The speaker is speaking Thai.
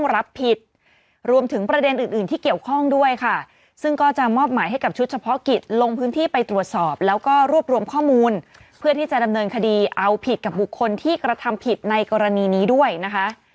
รับผิดรวมถึงประเด็นอื่นอื่นที่เกี่ยวข้องด้วยค่ะซึ่งก็จะมอบหมายให้กับชุดเฉพาะกิจลงพื้นที่ไปตรวจสอบแล้วก็รวบรวมข้อมูลเพื่อที่จะดำเนินคดีเอาผิดกับบุคคลที่กระทำผิดในกรณีนี้ด้วยนะคะ